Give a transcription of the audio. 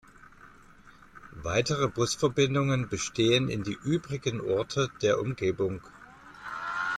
Weitere Busverbindungen bestehen in die übrigen Orte der Umgebung.